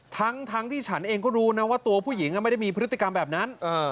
ทั้งที่ฉันเองก็รู้นะว่าตัวผู้หญิงไม่ได้มีพฤติกรรมแบบนั้น